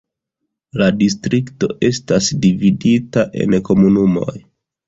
La distrikto estas dividita en komunumoj.